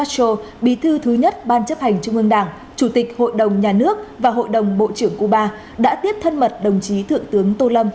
sắp hành trung ương đảng chủ tịch hội đồng nhà nước và hội đồng bộ trưởng cuba đã tiếp thân mật đồng chí thượng tướng tô lâm